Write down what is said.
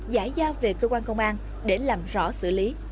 giải giao về cơ quan công an để làm rõ xử lý